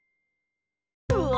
うわ！